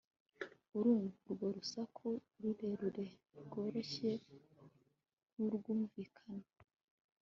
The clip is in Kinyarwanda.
urumva urwo rusaku rurerure, rworoshye nkubwumvikane